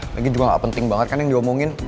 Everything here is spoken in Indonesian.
lagi juga gak penting banget kan yang diomongin